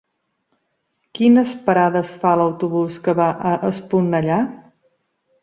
Quines parades fa l'autobús que va a Esponellà?